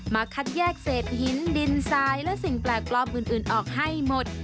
คัดแยกเศษหินดินทรายและสิ่งแปลกปลอมอื่นออกให้หมด